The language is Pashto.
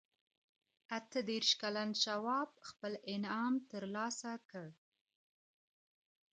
اته دېرش کلن شواب خپل انعام ترلاسه کړ.